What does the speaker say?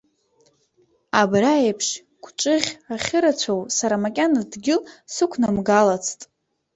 Абра еиԥш гәҿыӷь ахьырацәоу сара макьана дгьыл сықәнамгалацт.